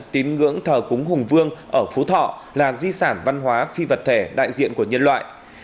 tín ngưỡng thờ cúng hùng vương ở phú thọ là di sản văn hóa phi vật thể đại diện của nhân loại